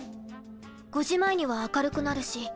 ５時前には明るくなるし。